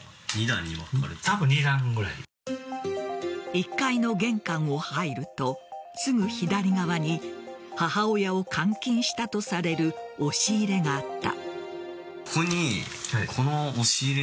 １階の玄関を入るとすぐ左側に母親を監禁したとされる押し入れがあった。